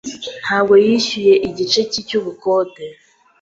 Ntabwo yishyuye igice cye cy'ubukode.